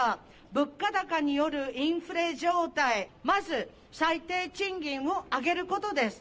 物価高によるインフレ状態、まず最低賃金を上げることです。